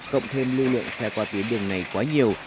cộng thêm lưu lượng xe qua tuyến đường này quá nhiều